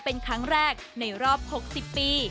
เป็นครั้งแรกในรอบ๖๐ปี